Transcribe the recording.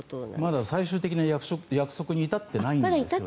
まだ最終的な約束に至っていないんですね。